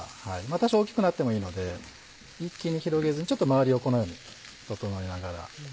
多少大きくなってもいいので一気に広げずにちょっと周りをこのように整えながら。